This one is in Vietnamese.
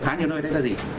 khá nhiều nơi đấy là gì